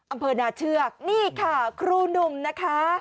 อำเภอนาเชือกนี่ค่ะครูหนุ่มนะคะ